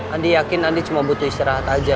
andi yakin andi cuma butuh istirahat aja